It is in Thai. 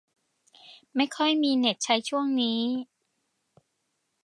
ไม่ค่อยมีเน็ตใช้ช่วงนี้